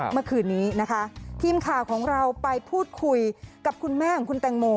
เมื่อคืนนี้นะคะทีมข่าวของเราไปพูดคุยกับคุณแม่ของคุณแตงโม